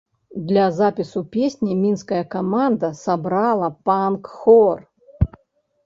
Для запісу песні мінская каманда сабрала панк-хор.